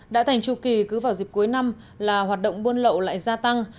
đã thành tru kỳ cứ vào dịp cuối năm là hoạt động buôn lậu lại gia tăng